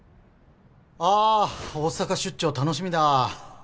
あ大阪出張楽しみだ